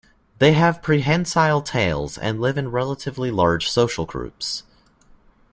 They have prehensile tails and live in relatively large social groups.